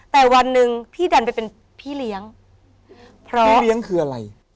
แต่วันหนึ่งพี่ดันไปเป็นพี่เลี้ยงเพราะพี่เลี้ยงคืออะไร